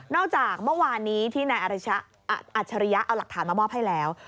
จากเมื่อวานนี้ที่นายอัจฉริยะเอาหลักฐานมามอบให้แล้ว